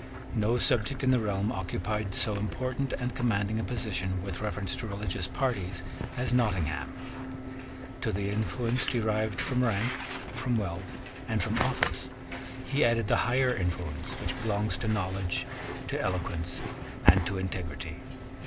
No subject in the realm occupied so important and commanding a position with reference to religious parties as Nottingham. To the influence derived from rank, from wealth, and from office, he added the higher influence which belongs to knowledge, to eloquence, and to integrity.